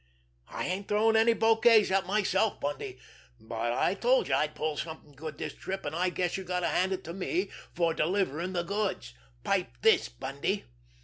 I ain't throwing any bouquets at myself, Bundy, but I told you I'd pull something good this trip, and I guess you got to hand it to me for delivering the goods. Pipe this, Bundy!